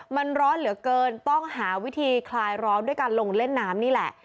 มันร้อนเหลือเกินต้องหาวิธีคลายร้อนด้วยการลงเล่นน้ำนี่แหละ